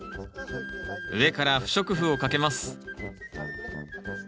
上から不織布をかけます